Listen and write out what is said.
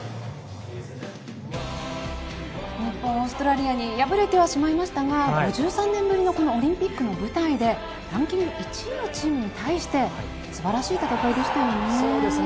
日本、オーストラリアに敗れてはしまいましたが５３年ぶりのオリンピックの舞台でランキング１位のチームに対して素晴らしい戦いでしたよね。